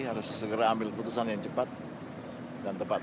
harus segera ambil putusan yang cepat dan tepat